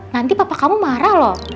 nanti papa kamu marah loh